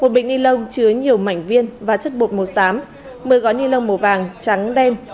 một bịch ni lông chứa nhiều mảnh viên và chất bột màu xám một mươi gói ni lông màu vàng trắng đem